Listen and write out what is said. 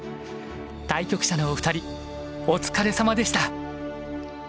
対局者のお二人お疲れさまでした！